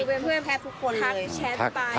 เป็นเพื่อนแทบทุกคนเลยพักแชทไป